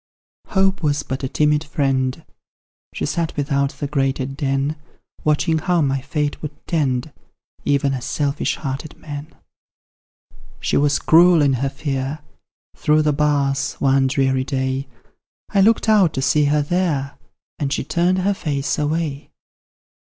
Hope Was but a timid friend; She sat without the grated den, Watching how my fate would tend, Even as selfish hearted men. She was cruel in her fear; Through the bars one dreary day, I looked out to see her there, And she turned her face away!